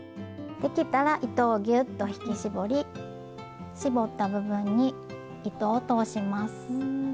できたら糸をギューッと引き絞り絞った部分に糸を通します。